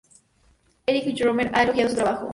Éric Rohmer ha elogiado su trabajo.